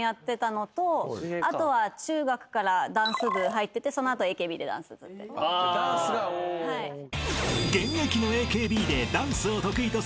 あとは中学からダンス部入っててその後ＡＫＢでダンスずっと。